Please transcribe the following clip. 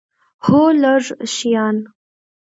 هو، لږ شیان